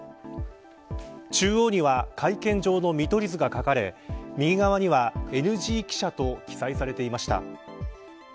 中央には会見場の見取り図が描かれ右側にはＮＧ記者と記載されていました。